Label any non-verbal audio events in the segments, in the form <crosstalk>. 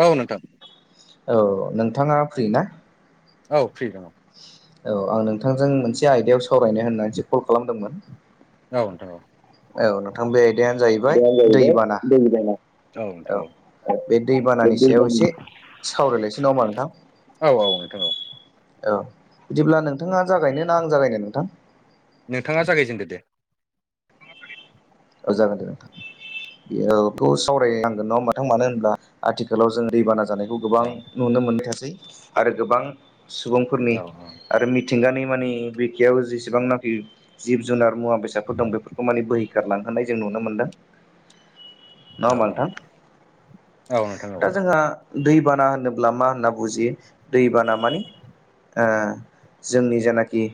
औ नोंथां। औ नोंथाङा फ्रि ना? औ फ्रि दङ। औ आं नोंथांजों मोनसे आयदायाव सावरायनो होननानैसो कल खालामदोंमोन। औ नोंथां औ। औ नोंथां बे आयदायानो जाहैबाय दैबाना औ बे बे दैबानानि सायाव दैबाना एसे सावरायलायसै नङा ओमबा नोंथां औ औ नोंथां औ औ बिदिब्ला नोंथाङा जागायनो ना आं जागायनो नोंथां नोंथाङा जागायजेनदो दे औ जागोन दे नोंथां बे सावरायनांगोन नङा ओमबा नोंथां मानो होनब्ला आथिखालाव जों दैबाना जानायखौ गोबां औ नुनो मोनबाय थासै आरो गोबां सुबुंफोरनि औ आरो मिथिंगानि माने बिखायाव जेसेबांनाखि जिब जुनार मुवा बेसादफोर दं बेफोरखौ माने बोहै खारलांहोनाय जों नुनो मोनदों नङा औ ओमबा नोंथां औ नोंथां औ दा जोंहा दैबाना होनोब्ला मा होनना बुजियो दैबाना माने ओ जोंनि जेनाखि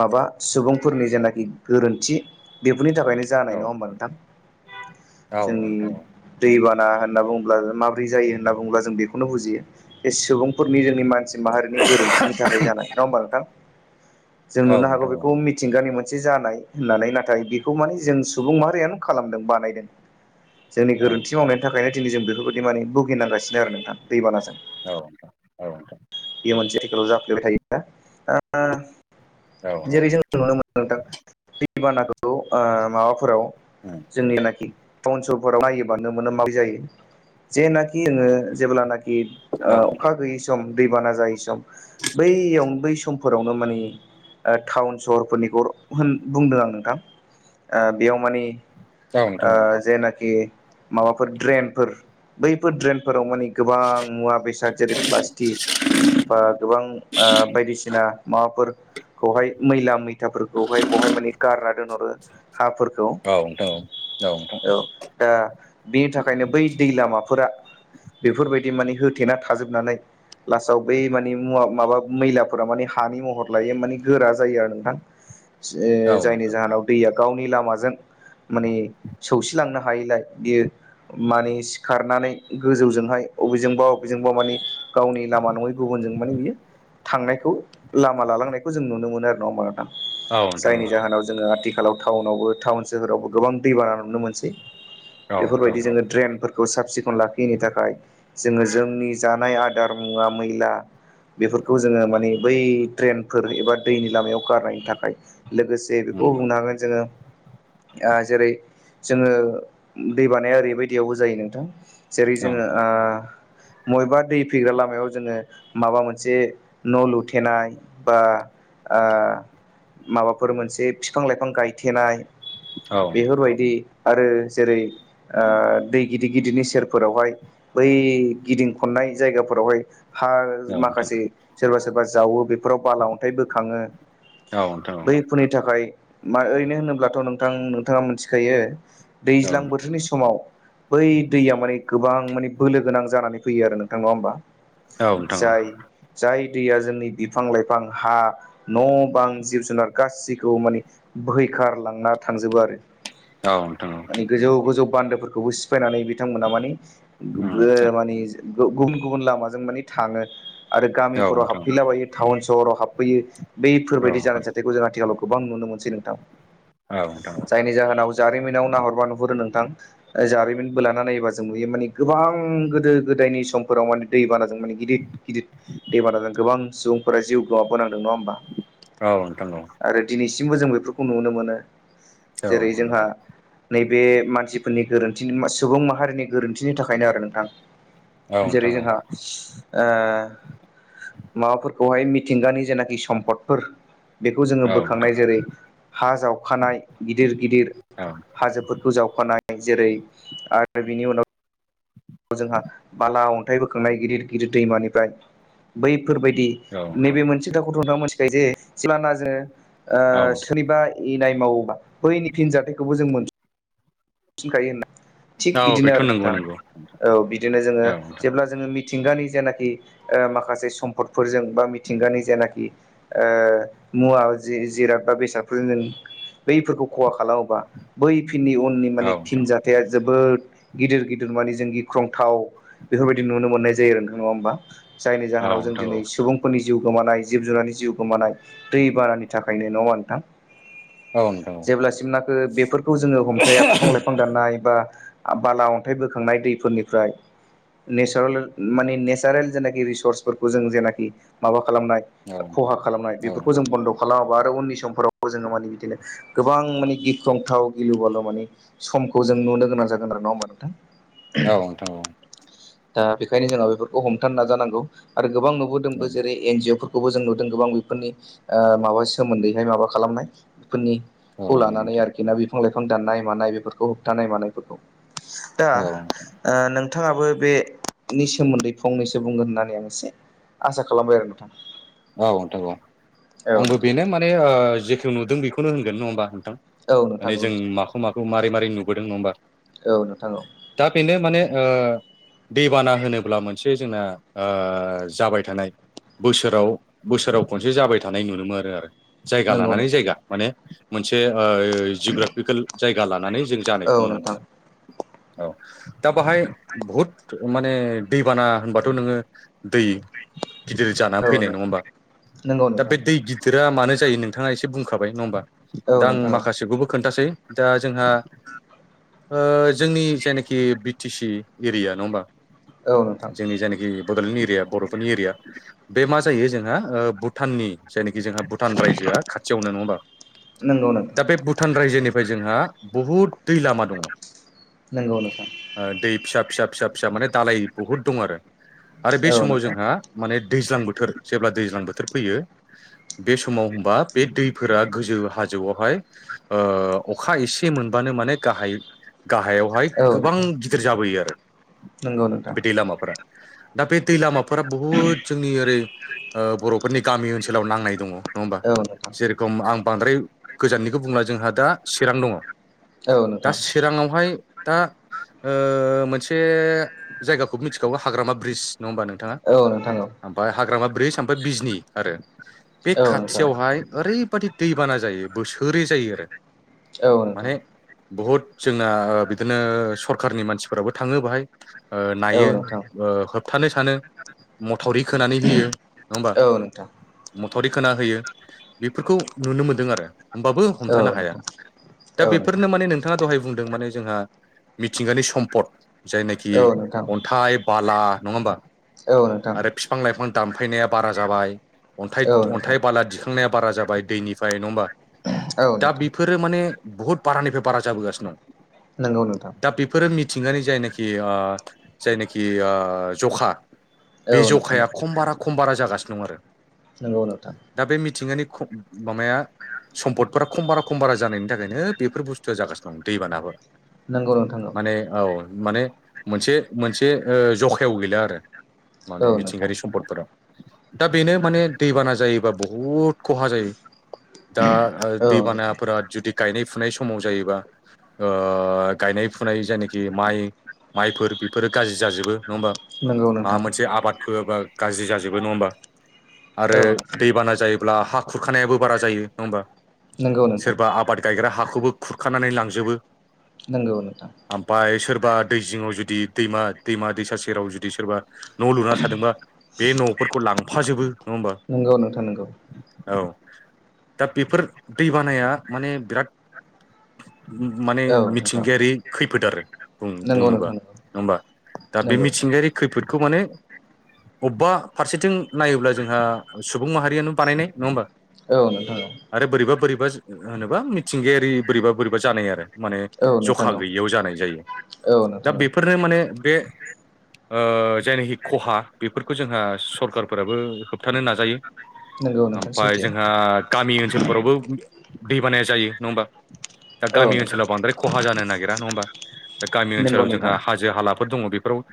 माबा सुबुंफोरनि जेनाखि गोरोन्थि बेनि थाखायनो औ जानाय नङा ओमबा नोंथां औ जोंनि नोंथां दैबा ना होनना बुङोब्ला माबोरै जायो होनना बुङोब्ला जों बेखौनो बुंजियो बे सुबुंफोरनि नि मानसि माहारिनि गोरोन्थिनि थाखाय जानाय नङा ओमबा नोंथां जों औ औ नुनो हागौ नोंथां बेखौ मिथिंगानि मोनसे जानाय होननानै ना थाय बेखौ माने जों सुबुं माहारियानो खालामदों बानायदों जोंनि औ नोंथां औ नोंथां औ नोंथां औ गोरोन्थि नोंथां औ नोंथां मावनायनि थाखायनो दिनै जों बेफोरबायदि माने भुगिनांगासिनो आरो नोंथां दैबानाजों औ नोंथां औ नोंथां मोनसे जाय जाफ्लेबाय थायोना दा उम जेरै जों नुनो मोनदों नोंथां दै बानाखौ ओ माबाफोराव जोंनियावनाखि तावन सोहोरफोराव नायोबा नुनो मोनो मा‌ बायदि जायो जेनाखि आङो जेब्लाना औ ओ अखा गैयै समाव‌ जाय सम बैयाव बै समफोरावनो माने टाउन सहरफोरनि होन बुंदों आं नोंथां ओ बेयाव मानि नोंथां ओ जेनाखि माबाफोर ड्रेनफोर बैफोर ड्रेनफोराव माने गोबां मुवा बेसाद जेरै प्लास्टिक बा गोबां बायदिसिना माबाफोर खौहाय मैला मैथाफोरखौहाय बहाय माने गारना दोनहरो हाफोरखौ औ नोंथां औ औ दा बिनि थाखायनो बै दै लामाफोरा बेफोर बेबायदि माने होथेना थाजोबनानै लास्टआव बै माने मुवा माबा मैलाफोरा माने हानि महर लायो माने गोरा जायो आरो नोंथां जायनि जाहोनाव दैया गावनि लामाजों माने सौसिलांनो हायिलाय बियो माने सिखारनानै गोजौजोंहाय बबेजोंबा बबेजोंबा मानि गावनि लामा नङै गुबुनजों माने बियो थांनायखौ लामा लालांनायखौ जों नुनो मोनो आरो नङा होमबा नोंथां औ नोंथां जायनि जाहोनाव जोङो आथिखालाव टाउनावबो टाउन सोहोरावबो गोबां दै बाना नुनो मोनसै बेफोरबायदि जोङो ड्रेनफोरखौ साब सिखोन लाखियैनि थाखाय जोङो जोंनि जानाय आदार मुवा मैला बेफोरखौ जोङो मानिे बै ड्रेनफोर एबा दैनि लामायाव गारनायनि थाखाय लोगोसे बेखौ बुंनो हागोन जोङो जेरै जोङो दै बानाया ओरैबायदियावबो जायो नोंथां जेरै जोङो ओ बबेबा दै फैग्रा लामायाव जोङो माबा मोनसे न' लुथेनाय बा ओ माबाफोर मोनसे बिफां लाइफां गायथेनाय बेफोरबायदि आरो जेरै ओ दै गिदिर गिदिरनि सेरफोरावहाय बै गिदिं खननाय जायगाफोरावहाय हा माखासे सोरबा सोरबा जावो बे बेफोराव बाला अन्थाइ बोखाङो बैफोरनि थाखाय मा ओरैनो होनोब्लाथ नोंथां नोंथाङा मोनथिखायो औ दैज्लां बोथोरनि समाव बै दैया माने गोबां माने बोलो गोनां जानानै फैयो आरो नोंथां नङा होमबा जाय जाय दैया जोंनि बिफां लाइफां हा न' बां जिब जुनार गासिखौबो माने बोहै खार लांना थांजोबो आरो औ नोंथां माने गोजौ गोजौ बान्दोफोरखौबो सिफायनानै बिथांमोना मानि औ उम औ ओ मानि गुबुन गुबुन लामाजों मानि थाङो आरो नोंथां गामिफोराव औ हाबफैलाबायो टाउन सहराव हाबफैयो औ बैफोरबायाददि नोंथां जानाय जाथायखौ जों आथिखालाव गोबां नुनो मोनसै नोंथां औ नोंथां जायनि जाहोनाव जारिमिनाव नाहरबा नुहुरो नों थां जारिमिन बोलाना नायोबा जों नुयो माने गोबां गोदो गोदायनि समफोराव माने दैबाना जा दों गिदिर गिदिर दैबानाजों गोबां सुबुंफोरा जिउ बावबोनांदों नङा होमबा औ नोंथां आरो दिनैसिमबो जों बेफोरखौ नुनो मोनो औ जेरै औ जोंहा नोंथां नैे बे मानसिफोरनि गोरोन्थि सुबुं माहारिनि गोरोन्थिनि थाखायनो आरो नोंथां औ जेरै नोंथां औ जोंहा ओ माबाफोरखौहाय मिथिंगानि जेनाखि सम्पदफोर बेखौ जोङो औ नोंथां औ बोखांनाय जेरै हा जावखानाय गिदिर गिदिर हाजोफोरखौ जावखानाय जेरै आरो बिनि उनाव जोंहा बाला अन्थाइ बोखांनाय गिदिर गिदिर दैमानिफ्राय बै फोरबायदि नोंथां नैबे मोनसे खथाखौथ नोंथाङा मोनथिखायो जे सिगांबा जोङो ओ औ नोंथां सोरनिबा इनाय मावोबा बैनि फिनजाथायखौबो जों मोनफिनखायो होनना थिग औ बिदिनो बेथ' आरो नंगौ नोंथां नंगौ औ बिदिनो जोङो औ नोंथां जेब्ला जोङो मि थिंगानि जेनाखि माखासे सम्पदफोरजों बा मिथिंगानि जेनाखि मुवा जि जिराद बा बेसादफोरजों जों बैफोरखौ खहा खालामोबा बै फिननि उननि माने औ नोंथां फिनजाथाया जोबोद गिदिर गिदिर बादि जों गिख्रंथाव बेफोरबायदि नुनो मोननाय जायो नोंथां नङा होमबा जायनि औ जाहोनाव जों नोंथां औ दिनै सुबुंफोरनि जिउ गोमानाय जिब जुनारनि जिउ गोमानाय दै बारानि थाखायनो नङाहोनबा नोंथां औ नोंथां जेब्लासिम नाखो बेफोरखौ जोङो हमथाया बिफां लाइफां दाननाय बा बाला अन्थाइ बोखांनाय दैफोरनिफ्राय नेचारेल माने नेचारेल जेनाखि रिसर्सफोरखौ जों जेनाखि माबा खालामनाय औ खहा खालामनाय नोंथां औ बेफोरखौ जों बन्द खालाम आरो उननि समफोराव जोङो माने बिदिनो गोबां माने गिख्रंथाव गिलु बालु माने सम खौ जों नुनो गोनां जागोन आरो नङा होनबा औ नोंथां औ दा बेखायनो जोंहा बेफोरखौ हमथानो नाजानांगौ आरो गोबां नुबोदोंबो जेरै एन जिअफोर खौबो जों नुदों गोबां बेफोरनि माबानि सोमोन्दैहाय माबा खालामनाय फोरनि खौ औ नोंथां लानानै औ आरोखि ना बिफां लाइफां दाननाय मानाय बेफोरखौ होबथानाय मानायफोरखौ दा ओ नों थाङाबो बेनि सोमोन्दै फंनैसो बुंगोन होननानै आं एसे आसा खालामबाय आरो नोंथां औ नोंथां औ आंबो बेनो माने जेखौ नुदों बेखौनो होनगोन नङा होनबा औ नोंथां माने जों माखौ माखौ मारै मारै नुबोदों नङा होमबा औ नोंथां औ दा बेनो माने ओ दैबाना होनोब्ला मोनसे जोंना ओ जाबाय थानाय बोसोराव बोसोराव खनसे जाबाय थानाय नुनो मोनो आरो आरो जायगा नंगौ लानानै नोंथां जायगा माने मोनसे ओ जिअग्राफिकेल जायगा लानानै जों औ जानायखौ नुनो नोंथां मोनो औ दा बाहाय बहुद माने दैबाना होनबाथ' नोङो दै गिदिर जानानै औ फैनाय नङा नोंथां होमबा नंगौ दा बे नोंथां दै गिदिरा मानो जायो नोंथाङा एसे बुंखाबाय नङा होमबा औ दा आं नोंथां औ माखासेखौबो खोनथासै दा जोंहा ओ जोंनि जायनाखि बि टि सि एरिया नङा होमबा औ नोंथां जोंनि जायनाखि बड'लेण्ड एरिया बर'फोरनि एरिया बे मा जायो जों ना भुटाननि जायनाखि जोंहा भुटान रायजोआ खाथियावनो नङा होमबा नंगौ दा नोंथां बे भुटान रायजोनि फ्राय जोंहा बहुद दै लामा दङ नोंगौ नोंथां दै फिसा फिसा फिसा फिसा माने दालाय बुहुद दं आरो आरो बे औ समाव नोंथां जोंहा माने दैज्लां बोथोर जेब्ला दैज्लां बोथोर फैयो बे समाव होनबा बे दैफोरा गोजौ हाजोआवहाय ओ अखा एसे मोन बानो माने गाहाय गाहायावहाय औ गोबां नोंथां गिदिर जाबोयो आरो नंगौ नोंथां बे दै लामाफोरा दा बे दै लामाफोरा बुहुद जोंनि ओरै ओ बर'फोरनि गामि ओनसोलाव नांनाय दङ नङा होमबा औ नोंथां जेरखम आं बांद्राय गोजाननिखौ बुंला जोंहा दा चिरां दङ औ दा नोंथां चिराङावहाय दा ओ मोनसे जायगाखौ मिथिखागौ हाग्रामा ब्रिज नङा होमबा नोंथाङा औ नोंथां औ ओमफ्राय हाग्रामा ब्रिज बिजनि आरो बे औ नोंथां खाथियावहाय ओरैबायदि दैबाना जायो बोसोरै जायो आरो औ नोंथां माने बहुद जोंना बिदिनो सरखारनि मानसिफोराबो थाङो बाहाय ओ औ नोंथां औ नायो नोंथां ओ होबथानो सानो माथावरि खोनानै होयो नङा होमबा औ नोंथां मथरि खोना होयो बेफोरखौ नुनो मोनदों आरो होमबाबो औ नोंथां औ हमथानो हाया नोंथां दा बेफोरनो माने नोंथाङा दहाय बुं दों माने जोंहा मिथिंगानि सम्पद जायनाखि औ नोंथां औ अन्थाइ बाला नङा होमबा नोंथां आरो फिफां-लाइफां दानफायनाया बारा जाबाय अन्थाइ अन्थाइ बाला दिखांनाया बारा जाबाय दैनिफ्राय नङा होमबा औ दा नोंथां बिफोरो माने बुहुत बारानिफ्राय बारा जाबोगासिनो दं। नंगौ नोंथां दा बेफोरो मि मिथिंगानि जायनाखि ओ जायनाखि आ जखा बे औ नोंथां जखाया खम बारा खम बारा जागासिनो दं आरो। नोंगौ नोंथां दा बे मिथिंगानि ख' मामाया सम्दफोरा खम बारा खम बारा जानायनि थाखायनो बेफोर बुस्थुआ जागासिनो दं दैबानाफोर नंगौ नोंथां औ माने मोनसे मोनसे ओ जखायाव गैला आरो औ माने नोंथां मिथिंगायारि सम्पदफोराव दा बेनो माने दैबाना जायोबा बहुद खहा जायो दा ओ औ नोंथां दैबानाफोरा जुदि गायनाय फुनाय समाव जायोबा ओ गायनाय फुनाय जायनाखि माइ माइफोर बेफोरो गाज्रि जाजोबो। नङा होमबा नंगौ माबा नोंथां मोनसे आबाद फोबा गाज्रि जाजोबो नङा होमबा आरो औ नोंथां दैबाना जायोब्ला हा खुरखानायाबो बारा जायो नङा होमबा। नंगौ नोंथां सोरबा आबाद गायग्रा हाखौबो खुरखानानै लांजोबो। नंगौ नोंथां। बा दै जिङाव जुदि दैमा दैमा दैसा सेराव जुदि सोरबा न' लुना थादोंबा बे न' फोरखौ लांफाजोबो नङा होमबा। नंगौ नोंथां नंगौ औ। दा बेफोर दैबानाया माने बिराद माने औ नोंथां मिथिंगायारि खैफोद आरो नंगौ बुं-बुङोबा नोंथां नङा होमबा। दा बे नंगौ मिथिंगायारि खैफोदखौ माने अबेबा फारसेथिं नायोब्ला जोंहा सुबुं माहारियानो बानायनाय नङा होमबा। औ नोंथां औ बा होनोबा मिथिंगायारि बोरैबा बोरैबा जानाय आरो। माने औ नोंथां जखा गैयियाव जानाय जायो औ औ दा नोंथां औ बेफोरनो माने बे ओ जायनाखि खहा बेफोरखौ जोंहा सरखारफोराबो होबथानो नाजायो। नंगौ नोंथां ओमफाय सैथो जोंहा गामि ओनसोलफोरावबो दै बानाया जायो नङा होमबा। <inaudible> दा गामि नोंथां ओनसोलाव बांद्राय खहा जानो नागिरा नङा होमबा दा गामि नंगौ ओनसोलाव जोंहा नोंथां हाजो हालाफोर दङ' बे फोराव ओ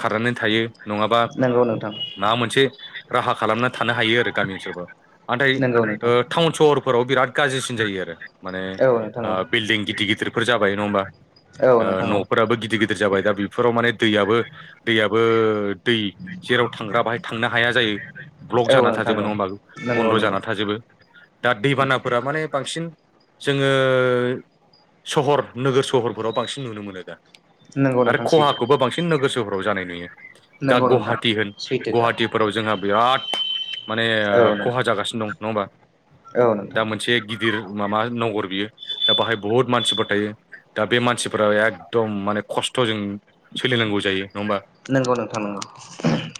खारनानै थायो नङाबा नंगौ नोंथां। माबा मोनसे राहा खालामनानै थानो हायो आरो गामि ओनसोलाव नाथाय नंगौ ओ नोंथां टाउन सहर फोराव बिराद गाज्रिसिन जायो आरो माने औ नोंथां ओ औ बिल्डिं गिदिर गिदिरफोर जाबाय नङा होमबा औ ओ नोंथां न'फोराबो गिदिर गिदिर गिदिर जाबाय दा बेफोराव माने दैयाबो दैयाबो दै जेराव थांग्रा बाहाय थांनो हाया जायो ब्लक औ जाना नोंथां थाजोबो औ नङा होमबा नंगौ बन्द' नंगौ जाना थाजोबो। दा दैबानाफोरा माने बांसिन जोङो सहर नोगोर सहरफोराव बांसिन नुनो मोनो दा नंगौ आरो नोंथां सैथो खहाखौबो बांसिन नोगोर सहर फ्राव जानाय नुयो दा नंगौ नोंथां। गुवाहाटि सैथोखा गुवाहाटिफोराव जोंहा बिराद माने औ खहा जागासिनो दं नङा होमबा नोंथां औ दा नोंथां मोनसे गिदिर माबा नगर बियो दा बाहाय बहुत मानसिफोर थायो। दा बे मानसिफोरा एकदम माने खस्थ'जों सोलिनांगौ जायो नङा होमबा। नोंगौ नोंथां नोंगौ।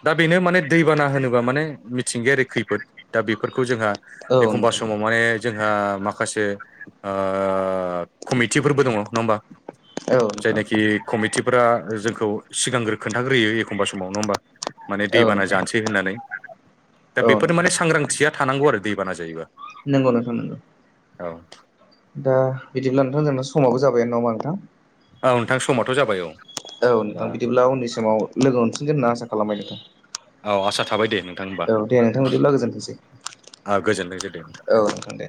दा बेनो माने दैबाना होनोबा माने मिथिंगायारि खैफोद दा बेफोरखौ जोंहा औ एखमबा नोंथां समाव माने ओ जोंहा माखासे कमिटिफोरबो दङ नङा होमबा औ नोंथां जायनाखि कमिटिफोरा जोंखौ सिगांग्रो खोन्थाग्रोयो एखमबा समाव नङा होमबा माने औ दैबाना नोंथां जानोसै होननानै दा औ बेफोर नोंथां माने सांग्रांथिया थानांगौ आरो दैबाना जायोबा नंगौ नोंथां नंगौ औ दा बिदिब्ला नोंथां जोंना समाबो जाबायानो नङा होनबा नोंथां औ नोंथां समाथ' जाबाय औ औ बा नोंथां बिदिब्ला उननि समाव लोगो मोनफिन गोन होनना आसा खालामबाय नोंथां औ आसा थाबाय दे नोंथां होमबा औ दे नोंथां बिदिब्ला गोजोनथोंसै ओ, गोजोनथोंसै दे औ नोंथां दे